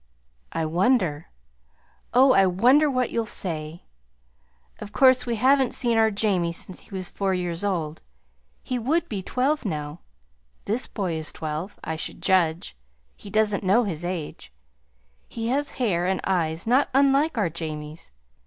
"I wonder oh, I wonder what you'll say! Of course we haven't seen our Jamie since he was four years old. He would be twelve now. This boy is twelve, I should judge. (He doesn't know his age.) He has hair and eyes not unlike our Jamie's.